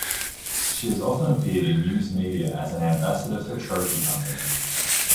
She has often appeared in news media as an ambassador for trophy hunting.